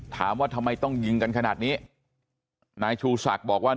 ถามว่าทำไมต้องยิงกันขนาดนี้นายชูศักดิ์บอกว่า